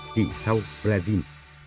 chỉ sau brazil